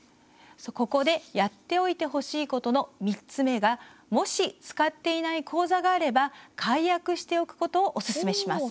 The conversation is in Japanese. ここで、やっておいてほしいことの３つ目が、もし使っていない口座があれば解約しておくことをおすすめします。